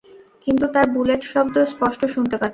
কিন্তু তার বুটের শব্দ স্পষ্ট শুনতে পাচ্ছি।